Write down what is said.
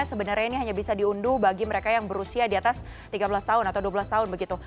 sebenarnya ini hanya bisa diunduh bagi mereka yang berusia di atas tiga belas tahun atau dua belas tahun begitu